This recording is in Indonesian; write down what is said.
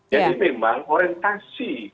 jadi memang orientasi